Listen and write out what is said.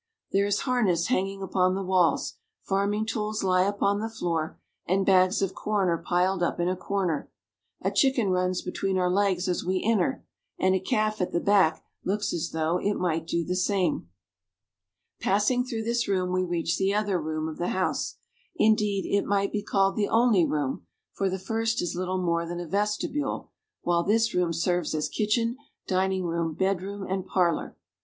There is harness hanging upon the walls, farming tools lie upon the floor, and bags of corn are piled up in a corner. A chicken runs between our legs as we enter, and a calf at the back looks as though it might do the same. .a^M^rSHB ■;■■■:'., A ~~~Z jl *' t *""".^ Wm' 1 ■• ^^B '.]"""" f "The average home is a one story log cabin/' Passing through this room, we reach the other room cf the house. Indeed, it might be called the only room, for the first is little more than a vestibule, while this room serves as kitchen, dining room, bedroom, and parlor.